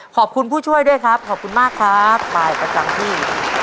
ผู้ช่วยด้วยครับขอบคุณมากครับบ่ายประจำที่